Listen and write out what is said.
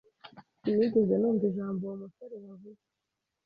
Sinigeze numva ijambo uwo musore yavuze.